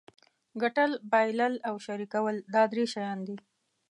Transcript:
ګټل بایلل او شریکول دا درې شیان دي.